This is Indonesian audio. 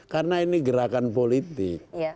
karena ini gerakan politik